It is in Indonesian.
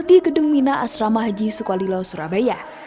di gedung mina asrama haji sukalilo surabaya